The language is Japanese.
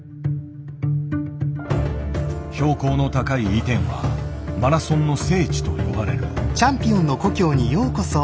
標高の高いイテンは「マラソンの聖地」と呼ばれる。